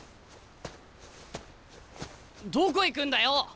どこ行くんだよ？